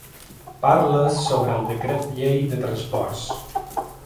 Parla sobre el decret llei de transports.